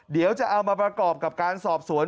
เดี๋ยวจะเอามาประกอบกับการสอบสวน